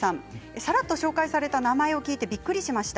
さらっと紹介された名前を聞いてびっくりしました。